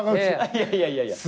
いやいやいやいや。